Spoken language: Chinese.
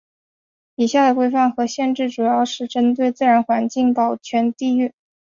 以下的规范和限制主要是针对自然环境保全地域。